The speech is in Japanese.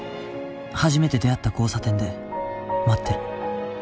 「初めて出逢った交差点で待ってる」